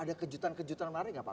ada kejutan kejutan menarik nggak pak